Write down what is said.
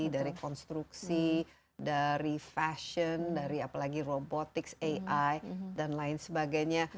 dari konstruksi dari fashion dari apalagi robotics ai dan lain sebagainya